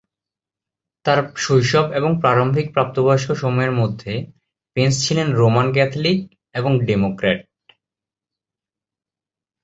তার শৈশব এবং প্রারম্ভিক প্রাপ্তবয়স্ক সময়ের মধ্যে, পেন্স ছিলেন রোমান ক্যাথলিক এবং ডেমোক্র্যাট।